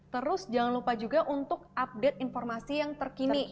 terus jangan lupa juga untuk update informasi yang terkini